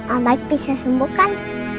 om baik bisa sembuhkan